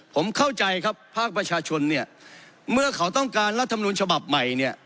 ผมเข้าใจครับภาคประชาชนเนี่ยเมื่อเขาต้องการรัฐมนุนฉบับใหม่เนี่ย